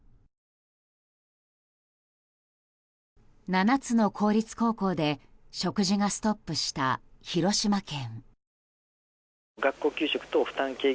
７つの公立高校で食事がストップした広島県。